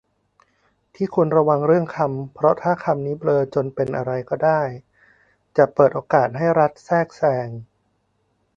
ที่ควรระวังเรื่องคำ เพราะถ้าคำนี้เบลอจนเป็นอะไรก็ได้ จะเปิดโอกาสให้รัฐแทรกแซง